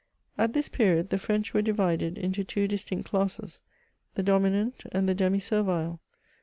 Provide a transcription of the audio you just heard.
At this period, the French were divided into two dis tinct classes — the dominant and the demi servile.